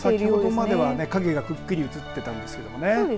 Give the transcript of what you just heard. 先ほどまでは影がくっきりと映っていたんですけどね。